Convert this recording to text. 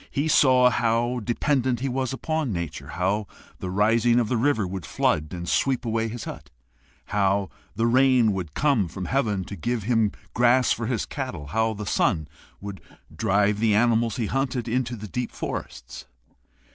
He saw how dependent he was upon Nature, how the rising of the river would flood and sweep away his hut, how the rain would come from heaven to give him grass for his cattle, how the sun would drive the animals he hunted into the deep forests.